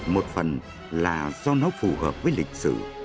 một phần là do nó phù hợp với lịch sử